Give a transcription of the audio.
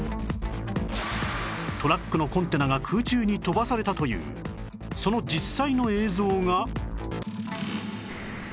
トラックのコンテナが空中に飛ばされたというその実際の映像が